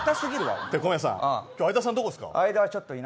今日相田さんどこですか。